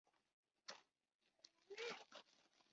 هلته غلا، ناامنۍ او جنایت خورا زیات و.